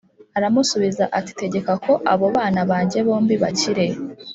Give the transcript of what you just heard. Aramusubiza ati Tegeka ko aba bana banjye bombi bakire